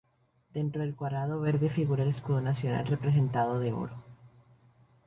Dentro del cuadrado verde figura el escudo nacional, representado de oro".